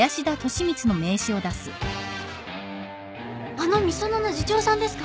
あのみそのの次長さんですか？